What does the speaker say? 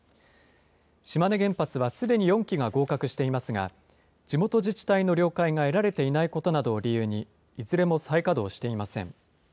島根原発はすでに４基が合格していますが、地元自治体の了解が得られていないことなどを理由に、いずれも再稼働していません。